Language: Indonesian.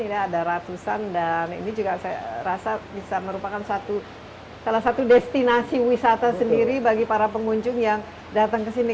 ini ada ratusan dan ini juga saya rasa bisa merupakan salah satu destinasi wisata sendiri bagi para pengunjung yang datang ke sini